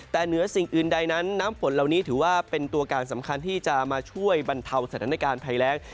แต่เหนือสิ่งอื่นใดนั้นน้ำฝนเหล่านี้ถือว่าเป็นตัวการสำคัญที่จะมาช่วยบรรเทาสถานการณ์ภัยแรง